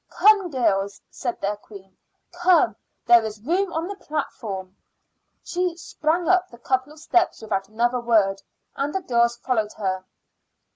"Come, girls," said their queen "come; there is room on the platform." She sprang up the couple of steps without another word, and the girls followed her.